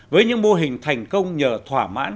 với những mô hình thành công nhờ thỏa mãn